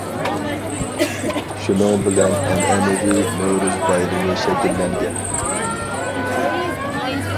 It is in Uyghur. شۇنىڭ بىلەن، ئەنئەنىۋى نورۇز بايرىمى شەكىللەنگەن.